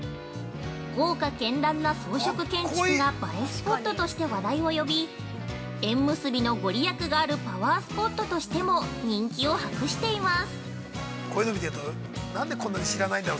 豪華けんらんな装飾建築が映えスポットとして話題を呼び縁結びのご利益があるパワースポットとしても人気を博しています。